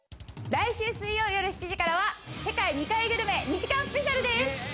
来週水曜夜７時からは世界未開グルメ２時間スペシャルです。